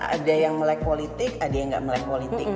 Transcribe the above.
ada yang melek politik ada yang nggak melek politik